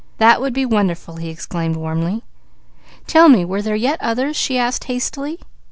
"That would be wonderful!" he exclaimed warmly. "Tell me, were there yet others?" she asked hastily.